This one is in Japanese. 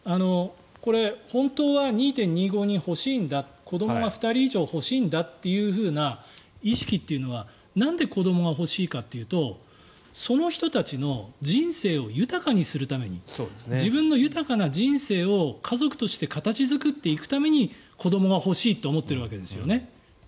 本当は２．２５人欲しいんだ子どもが２人以上欲しいんだという意識っていうのはなんで子どもが欲しいかというとその人たちの人生を豊かにするために自分の豊かな人生を家族として形作っていくために子どもが欲しいと思っているわけですよね。